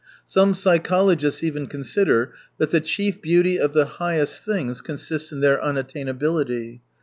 Some psychologists even consider that the chief beauty of the highest things consists in their unattain ability.